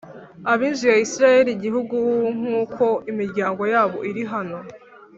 ab inzu ya Isirayeli igihugu nk uko imiryango yabo iri hano